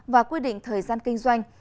và quy định thời gian kinh doanh